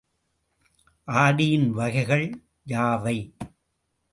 ஆடியின் வகைகள் யாவை?